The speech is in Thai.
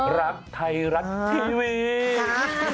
รับไทรัสทีวี